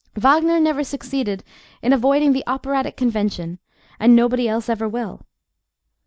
Wagner never succeeded in avoiding the operatic convention and nobody else ever will.